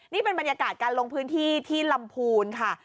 นี่เป็นบรรยากาศการลงพื้นที่ที่ลำพูนค่ะ